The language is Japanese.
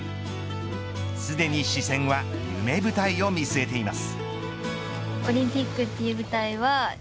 すでに視線は夢舞台を見据えています。